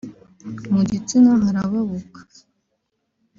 Mu gitsina harababuka